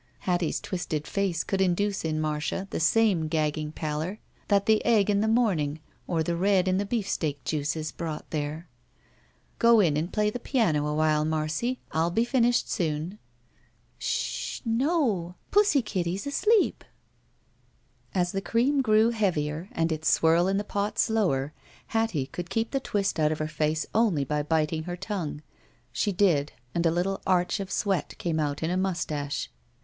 Hattie's twisted face could induce in Marda the same gagged pallor that the egg in the morning or the red in the beefsteak juices brought there. ''Go in and play the piano awhile, Marcy, 111 be finished soon." ISO THE SMUDGE "Sh h h! No. Pussy kitty's asleep." As the cream grew heavier and its swirl in the pot slower, Hattie could keep the twist out of her flace only by biting her tongue. She did, and a little arch of sweat came out in a mustache.